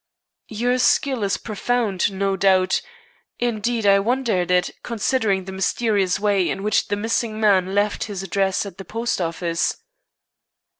"Your skill is profound, no doubt. Indeed, I wonder at it, considering the mysterious way in which the missing man left his address at the post office."